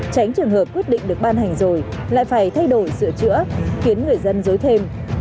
tránh trường hợp quyết định được ban hành rồi lại phải thay đổi sửa chữa khiến người dân dối thêm